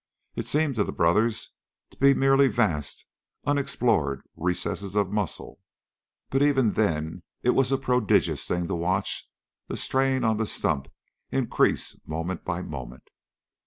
It seemed to the brothers to be merely vast, unexplored recesses of muscle, but even then it was a prodigious thing to watch the strain on the stump increase moment by moment.